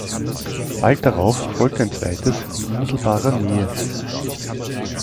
Bald darauf folgte ein zweites in unmittelbarer Nähe.